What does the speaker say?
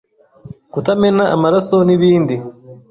kutamena amaraso n’ibindi